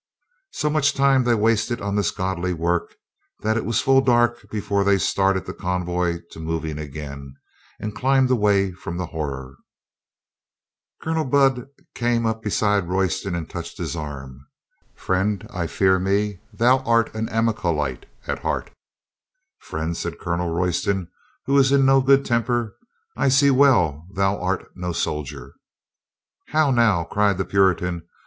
So much time they wasted on this godly work that it was full dark before they started the con voy to moving again and climbed away from the horror. Colonel Budd came up beside Royston and 248 COLONEL GREATHEART touched his arm. "Friend, I fear me thou art an Amalekite at heart" "Friend," said Colonel Royston, who was in no good temper, "I see well thou art no soldier." "How now?" cried the Puritan.